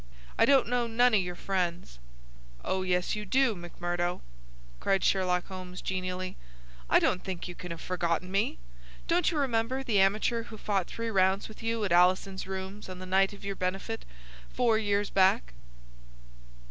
I don't know none o' your friends." "Oh, yes you do, McMurdo," cried Sherlock Holmes, genially. "I don't think you can have forgotten me. Don't you remember the amateur who fought three rounds with you at Alison's rooms on the night of your benefit four years back?"